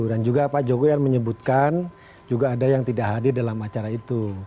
dan juga pak jokowi yang menyebutkan juga ada yang tidak hadir dalam acara itu